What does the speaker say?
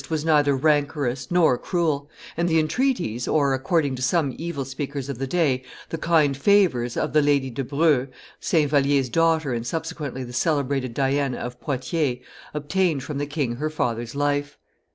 was neither rancorous nor cruel; and the entreaties, or, according to some evil speakers of the day, the kind favors, of the Lady de Brew, Saint Vallier's daughter and subsequently the celebrated Diana of Poitiers, obtained from the king her father's life.